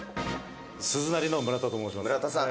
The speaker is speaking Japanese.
「鈴なりの村田と申します」